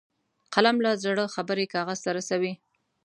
قلم له زړه خبرې کاغذ ته رسوي